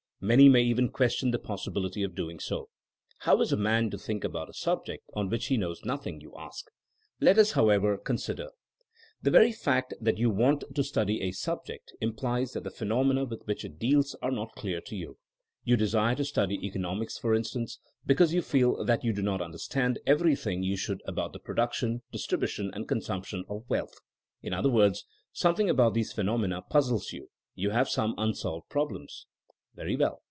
Many may even ques tion the possibility of doing so. How is a man to think about a subject on which he knows noth ing r* you ask. Let us, however, consider. 144 THINKINO AS A SCIENCE The very fact that you want to study a sub ject implies that the phenomena with which it deals are not clear to you. You desire to study economics, for instance, because you feel that you do not understand everything you should about the production, distribution and consump tion of wealth. In other words, something about these phenomena puzzles you — ^you have some unsolved problems. Very well.